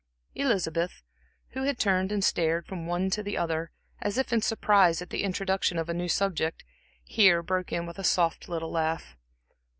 Elizabeth, who had turned and stared from one to the other, as if in surprise at the introduction of a new subject, here broke in with a soft little laugh.